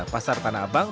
pasar tanah abang